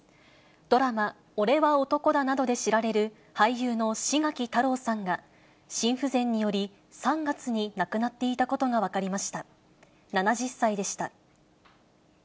ドラマ、おれは男だ！などで知られる、俳優の志垣太郎さんが、心不全により３月に亡くなっていたことが分かりました。